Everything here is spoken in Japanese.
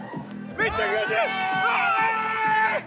めっちゃ気持ちいい！